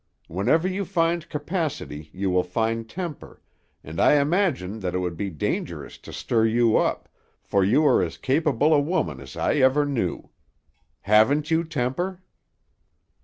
Whenever you find capacity you will find temper, and I imagine that it would be dangerous to stir you up, for you are as capable a woman as ever I knew. Haven't you temper?"